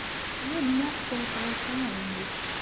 Iyya ad d-naɣ kra n tɣawsa ara nečč.